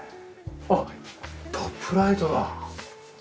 あっトップライトだ。